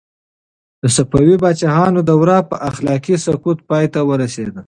د صفوي پاچاهانو دوره په اخلاقي سقوط پای ته ورسېده.